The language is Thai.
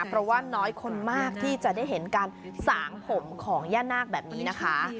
เพราะว่าน้อยคนมากที่จะได้เห็นการสางผมของย่านาคแบบนี้นะคะ